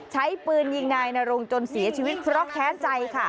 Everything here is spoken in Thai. ใช้ปืนยิงนายนรงจนเสียชีวิตเพราะแค้นใจค่ะ